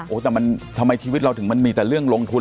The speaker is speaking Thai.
โอ้โหแต่มันทำไมชีวิตเราถึงมันมีแต่เรื่องลงทุน